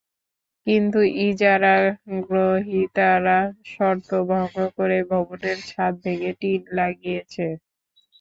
কিন্তু ইজারা গ্রহীতারা শর্ত ভঙ্গ করে ভবনের ছাদ ভেঙে টিন লাগিয়েছে।